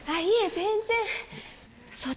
全然。